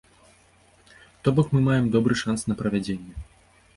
То бок мы маем добры шанс на правядзенне.